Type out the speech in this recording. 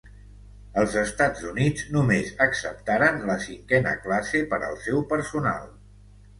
Els Estats Units només acceptaren la cinquena classe per al seu personal.